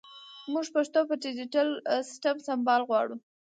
مونږ پښتو په ډیجېټل سیسټم سمبال غواړو